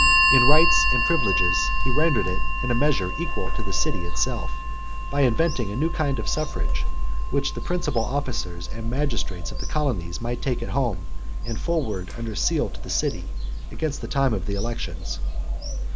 In rights and privileges, he rendered it in a measure equal to the city itself, by inventing a new kind of suffrage, which the principal officers and magistrates of the colonies might take at home, and forward under seal to the city, against the time of the elections.